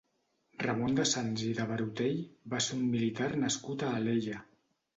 Ramon de Sanç i de Barutell va ser un militar nascut a Alella.